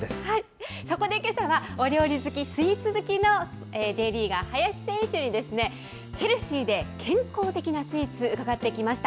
そこでけさは、お料理好き、スイーツ好きのＪリーガー、林選手に、ヘルシーで健康的なスイーツ、伺ってきました。